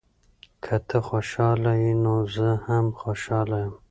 که ته خوشحاله یې، نو زه هم خوشحاله یم.